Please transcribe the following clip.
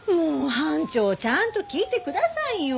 班長ちゃんと聞いてくださいよ！